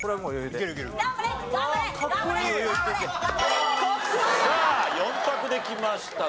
さあ４択できました斎藤さん。